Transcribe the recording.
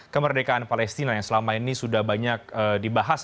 kemerdekaan palestina yang selama ini sudah banyak dibahas